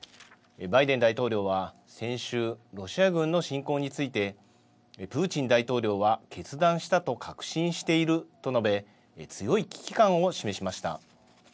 バイデン大統領は先週、ロシア軍の侵攻について、プーチン大統領は決断したと確信していると述べ、強い危機感を示しました。